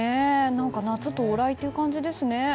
何か夏到来という感じですね。